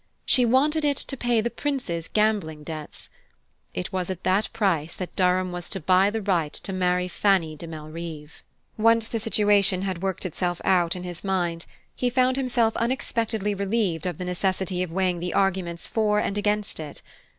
She wanted it to pay the Prince's gambling debts it was at that price that Durham was to buy the right to marry Fanny de Malrive. Once the situation had worked itself out in his mind, he found himself unexpectedly relieved of the necessity of weighing the arguments for and against it.